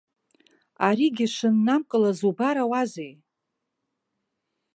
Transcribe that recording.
Аригьы шыннамкылаз убарауазеи!